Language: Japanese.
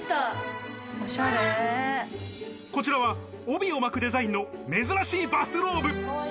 こちらは帯を巻くデザインの珍しいバスローブ。